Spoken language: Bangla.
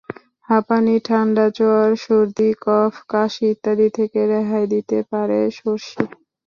হাঁপানি, ঠান্ডা জ্বর, সর্দি, কফ, কাশি ইত্যাদি থেকে রেহাই দিতে পারে সরষে।